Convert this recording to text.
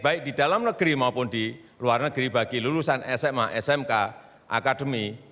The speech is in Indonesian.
baik di dalam negeri maupun di luar negeri bagi lulusan sma smk akademi